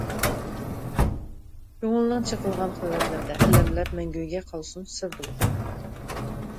كۆڭۈلنىڭ چېقىلغان خىلۋەتلىرىدە، ئەلەملەر مەڭگۈگە قالسۇن سىر بولۇپ.